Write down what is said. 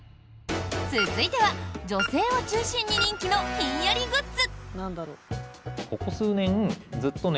続いては、女性を中心に人気のひんやりグッズ。